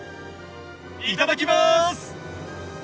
いただきます！